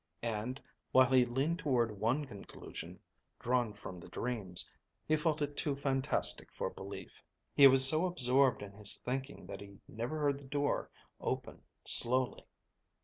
And, while he leaned toward one conclusion, drawn from the dreams, he felt it too fantastic for belief. He was so absorbed in his thinking that he never heard the door open slowly.